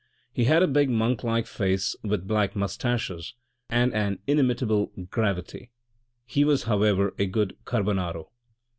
He had a big monk like face with black moustaches and an inimitable gravity ; he was, however, a good carbonaro.